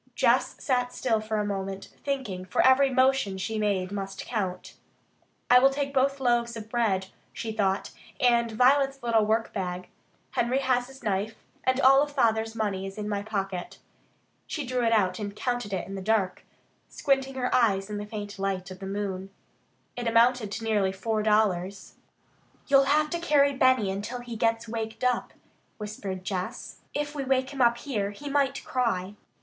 Jess sat still for a moment, thinking, for every motion she made must count. "I will take both loaves of bread," she thought, "and Violet's little workbag. Henry has his knife. And all Father's money is in my pocket." She drew it out and counted it in the dark, squinting her eyes in the faint light of the moon. It amounted to nearly four dollars. "You'll have to carry Benny until he gets waked up," whispered Jess. "If we wake him up here, he might cry."